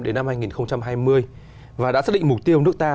đến năm hai nghìn hai mươi và đã xác định mục tiêu nước ta